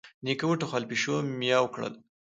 نيکه وټوخل، پيشو ميو کړل.